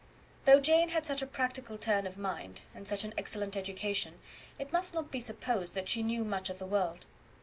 Though Jane had such a practical turn of mind, and such an excellent education, it must not be supposed that she knew much of the world.